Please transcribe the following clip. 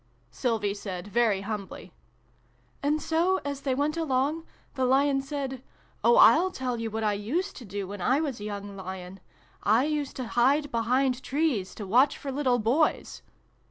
Sylvie said very humbly. " And so, as they went along, the Lion said * Oh, I'll tell you what I used to do when I was a young Lion. I used to hide be hind trees, to watch for little Boys.'